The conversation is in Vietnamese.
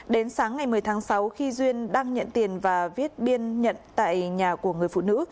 đến sáng ngày một mươi tháng sáu khi duyên đang nhận tiền và viết biên nhận tại nhà của người phụ nữ